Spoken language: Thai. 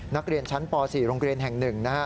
นักเรียนชั้นป๔โรงเรียนแห่ง๑นะฮะ